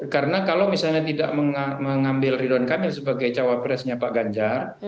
karena kalau misalnya tidak mengambil ridwan kamil sebagai cawapresnya pak ganjar